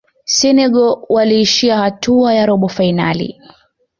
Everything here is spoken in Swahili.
senegal waliishia hatua ya robo fainali